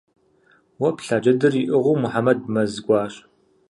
Уэ плъа джыдэр иӏыгъыу Мухьэмэд мэз кӏуащ.